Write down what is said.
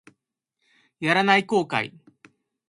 やらない後悔